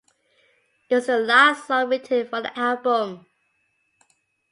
It was the last song written for the album.